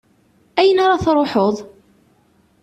Ayen ara truḥeḍ?